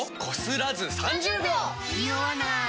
ニオわない！